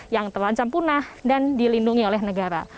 yang terancam punah dan dilindungi oleh negara